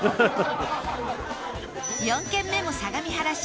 ４軒目も相模原市